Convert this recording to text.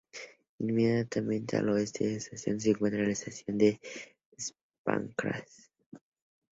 Inmediatamente al oeste de la estación se encuentra la estación de St Pancras.